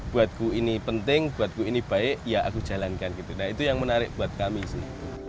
buatku ini penting buatku ini baik ya aku jalankan gitu nah itu yang menarik buat kami sih